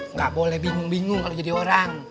nggak boleh bingung bingung kalau jadi orang